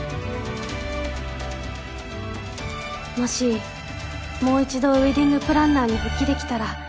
もしもう一度ウェディングプランナーに復帰できたら。